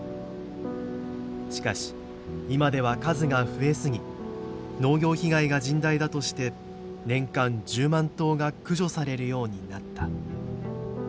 しかし今では数が増え過ぎ農業被害が甚大だとして年間１０万頭が駆除されるようになった。